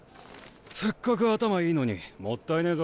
せっかく頭いいのにもったいねぇぞ。